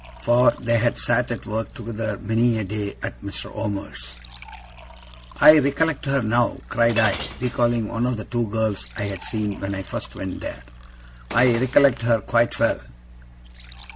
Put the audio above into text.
for they had sat at work together, many a day, at Mr. Omer's.' 'I recollect her now!' cried I, recalling one of the two girls I had seen when I first went there. 'I recollect her quite well!